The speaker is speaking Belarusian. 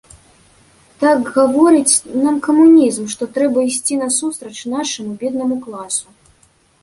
Так гаворыць нам камунізм, што трэба ісці насустрач нашаму беднаму класу.